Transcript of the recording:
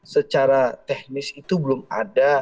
secara teknis itu belum ada